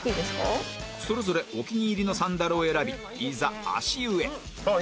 それぞれお気に入りのサンダルを選びいざ足湯へ